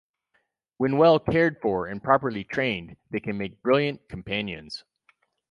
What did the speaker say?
When well cared for and properly trained they can make brilliant companions.